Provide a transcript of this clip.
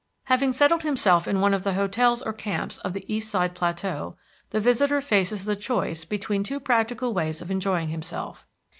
Having settled himself in one of the hotels or camps of the east side plateau, the visitor faces the choice between two practical ways of enjoying himself.